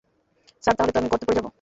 Sir, তাহলে তো আমি গর্তে পড়ে যাব।